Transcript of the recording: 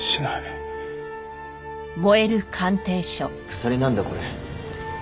鎖なんだこれ。